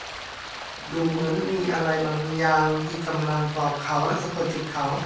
ดูเหมือนมีอะไรบางอย่างที่กำลังปลอบเขาและสะกดจิตเขา